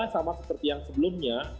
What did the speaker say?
sama seperti yang sebelumnya